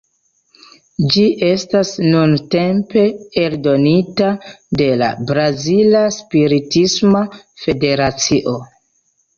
Ĝi estas nuntempe eldonita de la Brazila Spiritisma Federacio.